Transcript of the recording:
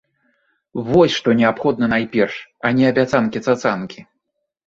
Вось што неабходна найперш, а не абяцанкі-цацанкі.